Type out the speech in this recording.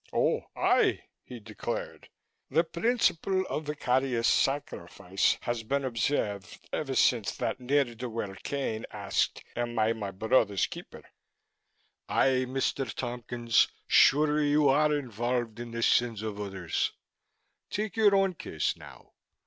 "Oh aye!" he declared. "The principle of vicarious sacrifice has been observed ever since that ne'er do weel Cain asked, 'Am I my brother's keeper?' Aye, Mr. Tompkins, surely you are involved in the sins of others. Take your own case now.